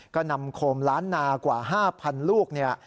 ก็นำโคมล้านนากว่า๕๐๐๐ลูกเนี่ย